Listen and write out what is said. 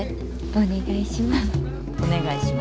お願いします。